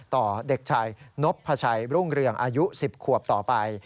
เด็กชายนพชัยรุ่งเรืองอายุ๑๐ขวบต่อไป